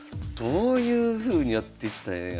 どういうふうにやっていったらええんやろう。